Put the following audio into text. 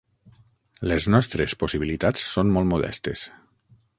Les nostres possibilitats són molt modestes.